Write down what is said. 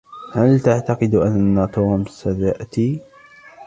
هل تعتقد أن توم سيأتي؟